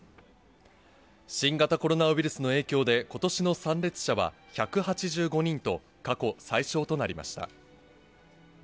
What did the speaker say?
新型コロナウイルスの影響で、ことしの参列者は１８５人と過去最少となりました。